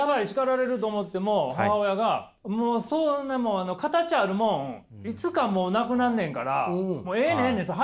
叱られる！と思っても母親が「もうそんなもん形あるもんいつかもう無くなるねんからもうええんねんええねん。